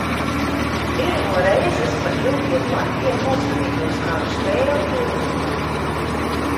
Pirmoreiz es pa ilgiem laikiem noskatījos kādu spēli pilnībā.